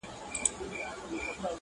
د پلرونو د نیکونو له داستانه یمه ستړی.!